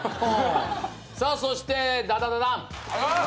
さあそしてダダダダン。